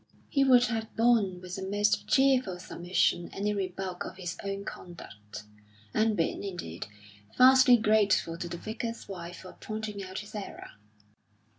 He would have borne with the most cheerful submission any rebuke of his own conduct, and been, indeed, vastly grateful to the Vicar's wife for pointing out his error.